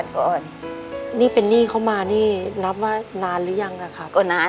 ก็นานแล้วจ้ะ